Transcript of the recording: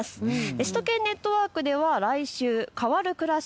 首都圏ネットワークでは来週変わるくらし